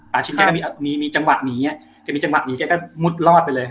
ป่าชินแกก็มีมีมีจังหวะหนีเนี้ยแกมีจังหวะหนีแกก็มุดรอดไปเลย